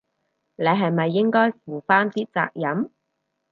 你係咪應該負返啲責任？